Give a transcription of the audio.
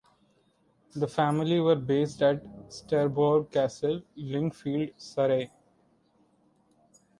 The family were based at Sterborough Castle, Lingfield, Surrey.